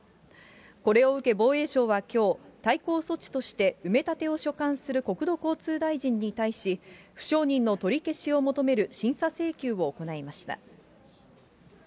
これを受け、防衛省はきょう、対抗措置として埋め立てを所管する国土交通大臣に対し、不承認の取り消しを求める審査請求を行いました。